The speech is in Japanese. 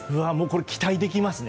期待できますね！